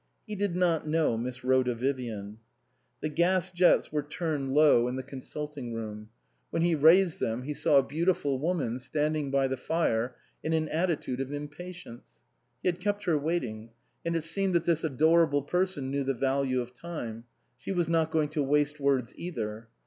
He did not know Miss Rhoda Vivian. The gas jets were turned low in the con BASTIAN CAUTLEY, M.D suiting room ; when he raised them he saw a beautiful woman standing by the fire in an attitude of impatience. He had kept her wait ing ; and it seemed that this adorable person knew the value of time. She was not going to waste words either.